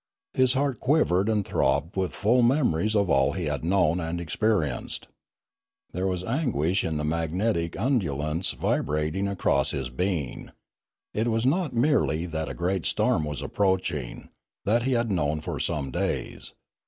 For his heart quivered and throbbed with full memories of all he had known and experienced. There was anguish in the magnetic un ci ulance vibrating across his being. It was not merely that a great storm was approaching; that he had known for some days.